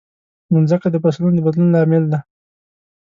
مځکه د فصلونو د بدلون لامل ده.